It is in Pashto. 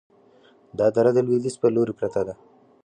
دا دره د لویدیځ په لوري پرته ده،